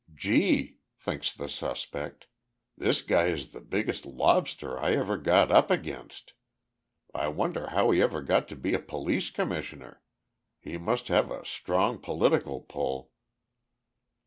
"Gee!" thinks the suspect, "This guy is the biggest lobster I ever got up against! I wonder how he ever got to be a police commissioner. He must have a strong political pull."